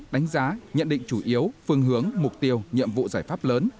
đánh giá nhận định chủ yếu phương hướng mục tiêu nhiệm vụ giải pháp lớn